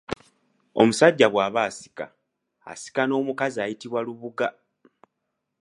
Omusajja bwaba asika, asika n’omukazi ayitibwa Lubuga.